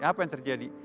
apa yang terjadi